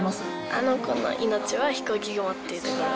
あの子の命はひこうき雲っていうところ。